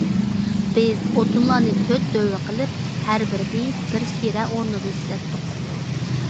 بىز ئوتۇنلارنى تۆت دۆۋە قىلىپ، ھەر بىرىنى بىر شىرە ئورنىدا ئىشلەتتۇق.